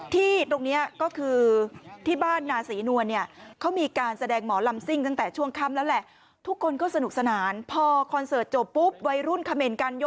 ที่ตรงนี้ก็คือที่บ้านนาศรีนวลเนี่ย